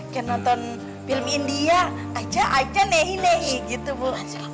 kayak nonton film india aja aja nehi nehi gitu bu